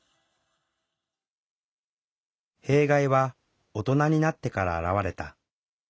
弊害は大人になってから表れた。